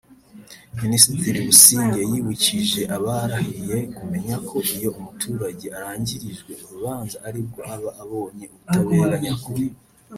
Minisitiri Busingye yibukije abarahiye kumenya ko iyo umuturage arangirijwe urubanza ari bwo aba abonye ubutabera nyakuri